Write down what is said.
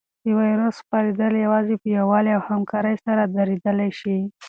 د وېروس خپرېدل یوازې په یووالي او همکارۍ سره درېدلی شي.